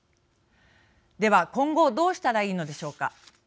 では、今後どうしたらいいのでしょうか。